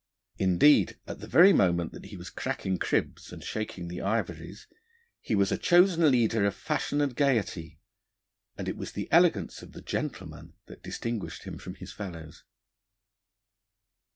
Indeed, at the very moment that he was cracking cribs and shaking the ivories, he was a chosen leader of fashion and gaiety; and it was the elegance of the 'gentleman' that distinguished him from his fellows.